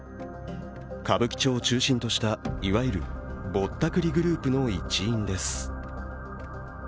歌舞伎町を中心としたいわゆるぼったくりグループの一員です。